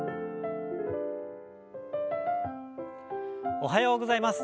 おはようございます。